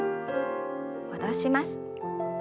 戻します。